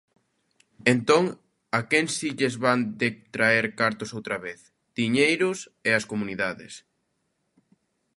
Entón, a quen si lles van detraer cartos outra vez, diñeiros, é ás comunidades.